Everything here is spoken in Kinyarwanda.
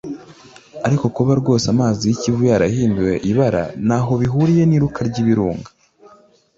ariko kuba rwose amazi y’ikivu yahinduye ibara ntaho bihuriye n’iruka ry’ibirunga